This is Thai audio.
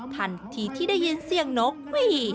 ทันทีที่ได้ยินเสียงนกหวี